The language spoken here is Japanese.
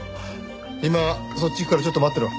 今そっち行くからちょっと待ってろ。